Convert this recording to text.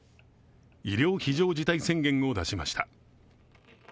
医療非常事態宣言を出しました。